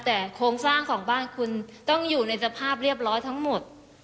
แต่โครงสร้างของบ้านคุณต้องอยู่ในสภาพเรียบร้อยทั้งหมด